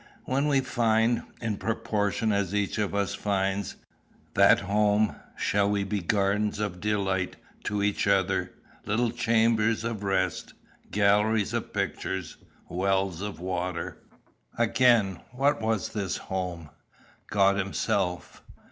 When we find in proportion as each of us finds that home, shall we be gardens of delight to each other little chambers of rest galleries of pictures wells of water." Again, what was this home? God himself.